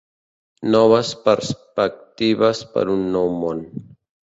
Noves perspectives per un nou món.